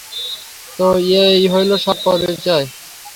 তো, এই হলো সবার পরিচয়।